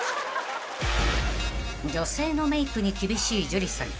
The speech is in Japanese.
［女性のメイクに厳しい樹さん］